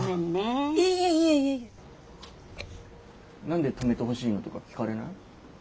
何で泊めてほしいのとか聞かれない？